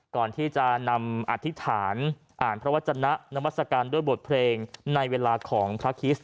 ก่อนที่จะนำอธิษฐานอ่านพระวจนะนามัศกาลด้วยบทเพลงในเวลาของพระคิสต